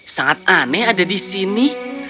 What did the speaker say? sangat aneh ada di sini